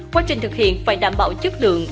quá trình thực hiện phải đảm bảo chất lượng